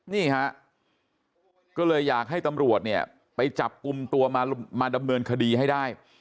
นี่ฮะก็เลยอยากให้ตำรวจเนี่ยไปจับกลุ่มตัวมาดำเนินคดีให้ได้